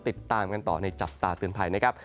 ติดตามกันต่อในจับตาเตือนภัยนะครับ